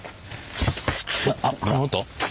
あっこの音？